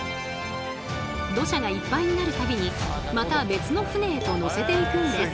土砂がいっぱいになる度にまた別の船へと載せていくんです。